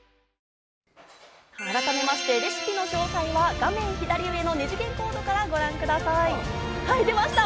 改めまして、レシピの詳細は画面左上の二次元コードからご覧ください。出ました！